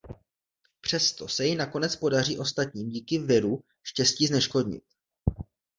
Přesto se jej nakonec podaří ostatním díky viru štěstí zneškodnit.